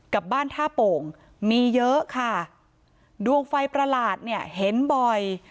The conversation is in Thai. กับบ้านท่าโป่งมีเยอะค่ะดวงไฟประหลาดเนี่ยเห็นบ่อย